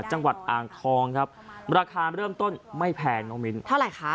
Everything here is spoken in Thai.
จังหวัดอ่างทองครับราคาเริ่มต้นไม่แพงน้องมิ้นเท่าไหร่คะ